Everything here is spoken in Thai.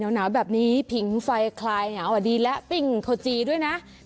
หนาวแบบนี้ผิงไฟคลายหนาวดีและปิ้งโคจีด้วยนะ